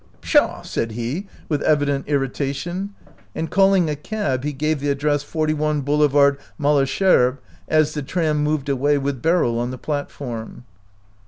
" Pshaw !" said he, with evident irritation, and, calling a cab, he gave the address 41 Boulevard Malesherbes, as the "tram" moved away with Beryl on the platform.